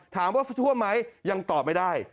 ถามว่าท่วมไหมยังตอบไม่ได้